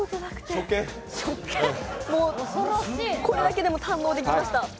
これだけでも堪能できました。